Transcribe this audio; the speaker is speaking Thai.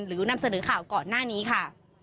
นำเสนอข่าวก่อนหน้านี้ค่ะ